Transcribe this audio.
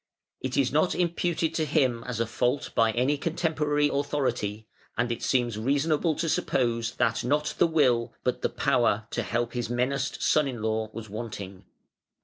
It is not imputed to him as a fault by any contemporary authority, and it seems reasonable to suppose that not the will, but the power, to help his menaced son in law was wanting.